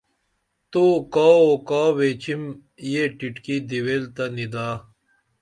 تُو کاوو کا ویچِم یہ ٹیٹکی دِویل تہ نِدا